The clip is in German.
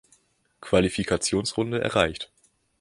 Qualifikationsrunde erreicht.